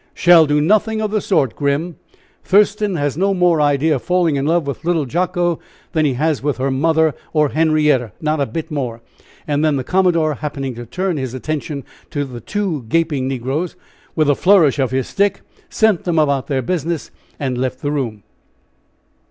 "Shall do nothing of the sort, Grim. Thurston has no more idea of falling in love with little Jacko than he has with her mother or Henrietta, not a bit more." And then the commodore happening to turn his attention to the two gaping negroes, with a flourish of his stick sent them about their business, and left the room.